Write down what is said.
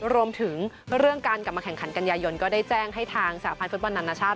รวมถึงเรื่องการกลับมาแข่งขันกันยายนก็ได้แจ้งให้ทางสหพันธ์ฟุตบอลนานาชาติ